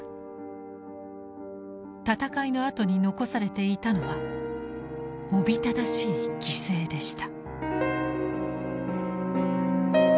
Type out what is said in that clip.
戦いのあとに残されていたのはおびただしい犠牲でした。